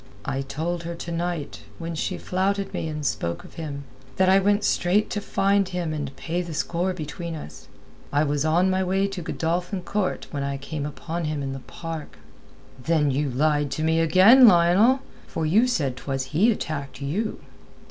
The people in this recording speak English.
"I told her to night, when she flouted me and spoke of him, that I went straight to find him and pay the score between us. I was on my way to Godolphin Court when I came upon him in the park." "Then you lied to me again, Lionel. For you said 'twas he attacked you."